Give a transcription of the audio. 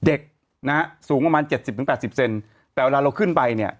เด็กนะฮะสูงประมาณเจ็ดสิบถึงแปดสิบเซนแต่เวลาเราขึ้นไปเนี่ย